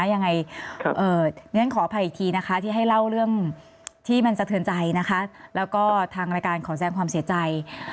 ยังไงฉันขออภัยอีกทีนะคะที่ให้เล่าเรื่องที่มันสะเทือนใจนะคะแล้วก็ทางรายการขอแสงความเสียใจ